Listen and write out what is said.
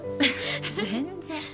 全然。